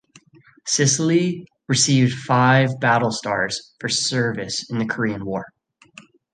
"Sicily" received five battle stars for service in the Korean War.